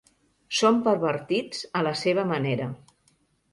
Són pervertits a la seva manera.